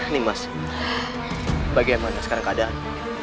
nimas bagaimana sekarang keadaan